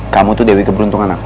kamu tuh dewi keberuntungan aku